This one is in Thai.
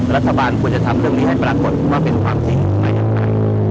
รัฐบาลควรจะทำเรื่องนี้ให้ปรากฏว่าเป็นความจริงมาอย่างไร